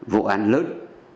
vụ án lớn